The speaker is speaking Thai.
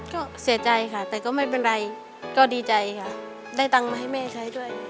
ก็เสียใจค่ะแต่ก็ไม่เป็นไรก็ดีใจค่ะได้ตังค์มาให้แม่ใช้ด้วย